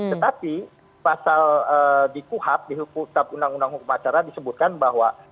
tetapi pasal di kuhap di uuh disebutkan bahwa